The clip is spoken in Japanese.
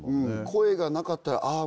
声がなかったらああ